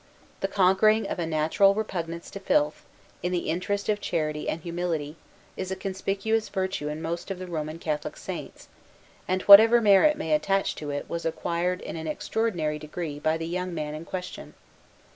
The conquering of a natural repugnance to filth, in the interest of charity and humility, is a conspicuous virtue in most of the Roman Catholic saints; and whatever merit may attach to it was acquired in an extraordinary degree by the young man in question.